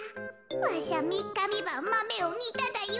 わしゃみっかみばんマメをにただよ。